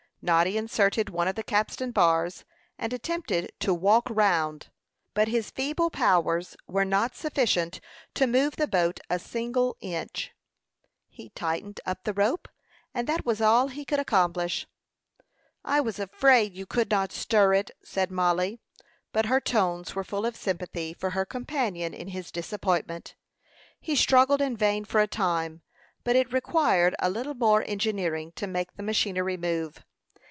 Noddy inserted one of the capstan bars, and attempted to "walk round;" but his feeble powers were not sufficient to move the boat a single inch. He tightened up the rope, and that was all he could accomplish. "I was afraid you could not stir it," said Mollie; but her tones were full of sympathy for her companion in his disappointment. He struggled in vain for a time; but it required a little more engineering to make the machinery move.